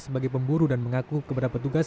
sebagai pemburu dan mengaku kepada petugas